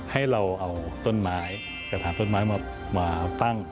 ให้เราเอาต้นไม้กระถางต้นไม้มาตั้ง